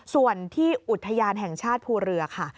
ส่วนที่อุทยานแห่งชาติภูเรือค่ะ